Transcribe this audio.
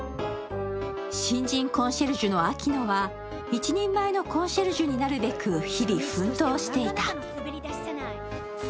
新人コンシェルジュの秋乃は１人前のコンシェルジュになるべく日々奮闘していた。